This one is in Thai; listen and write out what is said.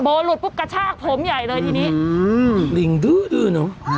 โบหลุดกระชากผมใหญ่เลยทีนี้